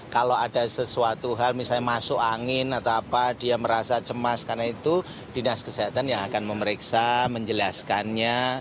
kalau ada sesuatu hal misalnya masuk angin atau apa dia merasa cemas karena itu dinas kesehatan yang akan memeriksa menjelaskannya